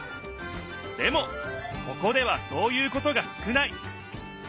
でもここではそういうことが少ない。